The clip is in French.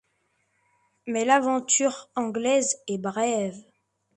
Mais l'aventure anglaise est brève.